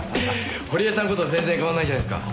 堀江さんこそ全然変わんないじゃないですか。